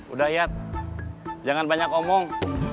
udah ya jangan banyak omong